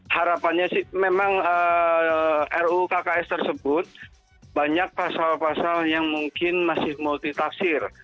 harapannya sih memang ruu kks tersebut banyak pasal pasal yang mungkin masih multitaksir